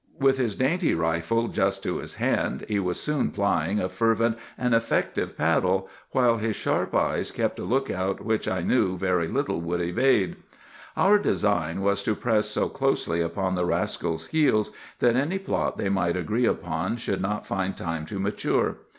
With his dainty rifle just to his hand, he was soon plying a fervent and effective paddle, while his sharp eyes kept a lookout which I knew very little would evade. "Our design was to press so closely upon the rascals' heels that any plot they might agree upon should not find time to mature.